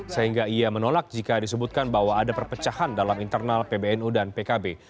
sehingga ia menolak jika disebutkan bahwa ada perpecahan dalam internal pbnu dan pkb